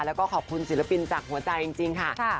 แล้วก็ขอบคุณศิลปินจากหัวใจจริงค่ะ